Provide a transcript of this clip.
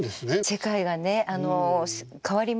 世界がね変わりました。